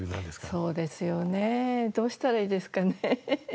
そうですよね、どうしたらいいですかね。